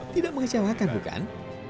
tidak mengecewakan bukan